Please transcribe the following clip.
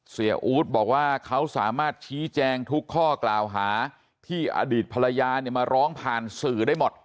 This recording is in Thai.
อู๊ดบอกว่าเขาสามารถชี้แจงทุกข้อกล่าวหาที่อดีตภรรยาเนี่ยมาร้องผ่านสื่อได้หมด